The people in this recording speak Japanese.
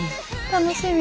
楽しみ。